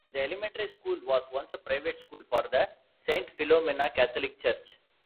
The elementary school was once a private school for the Saint Philomena Catholic Church.